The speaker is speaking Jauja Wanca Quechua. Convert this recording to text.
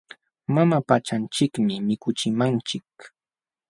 Mama pachanchikmi mikuchimanchik.